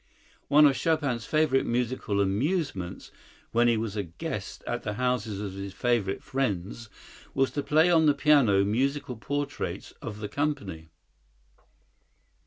One of Chopin's favorite musical amusements, when he was a guest at the houses of his favorite friends, was to play on the piano musical portraits of the company.